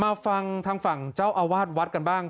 มาฟังทางฝั่งเจ้าอาวาสวัดกันบ้าง